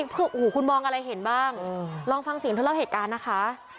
โอ้โหคุณมองอะไรเห็นบ้างลองฟังเสียงเธอเล่าเหตุการณ์นะคะ